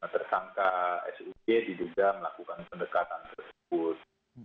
tersangka sug diduga melakukan pendekatan tersebut